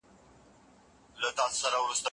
املا د پښتو ادب په زده کړه کي ډېره مرسته کوي.